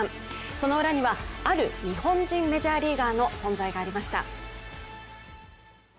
その裏にはある日本人メジャーリーガーの存在がありました。